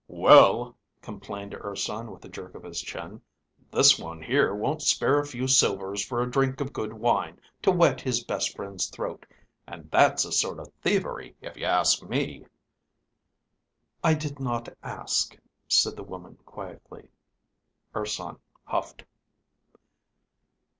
"Well," complained Urson with a jerk of his chin, "this one here won't spare a few silvers for a drink of good wine to wet his best friend's throat, and that's a sort of thievery, if you ask me." "I did not ask," said the woman, quietly. Urson huffed.